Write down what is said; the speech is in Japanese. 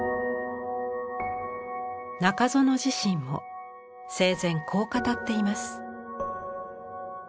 中園自身も生前こう語っています。